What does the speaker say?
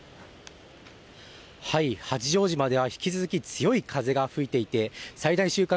八丈島では引き続き強い風が吹いていて最大瞬間